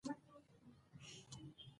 نارينه يې پنځوي